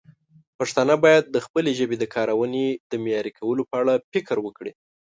پښتانه باید د خپلې ژبې د کارونې د معیاري کولو په اړه فکر وکړي.